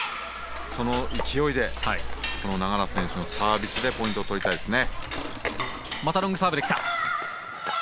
その勢いで永原選手のサービスでポイントを取りたいですね。